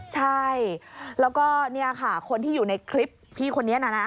ใช่แล้วก็เนี่ยค่ะคนที่อยู่ในคลิปพี่คนนี้นะนะ